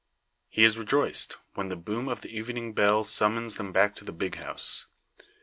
He is rejoiced, when the boom of the evening bell summons them back to the "big house."